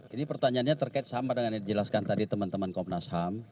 ini pertanyaannya terkait sama dengan yang dijelaskan tadi teman teman komnas ham